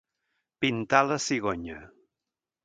Pintar la cigonya.